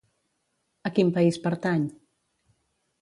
A quin país pertany?